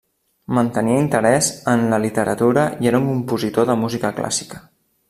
Mantenia interès en la literatura i era un compositor de música clàssica.